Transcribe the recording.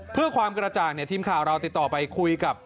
เพื่อความกระจ่างทีมข่าวเราติดต่อไปคุยกับ